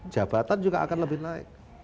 jabatan juga akan lebih naik